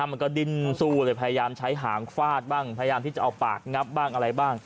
มันก็ดิ้นสู้เลยพยายามใช้หางฟาดบ้างพยายามที่จะเอาปากงับบ้างอะไรบ้าง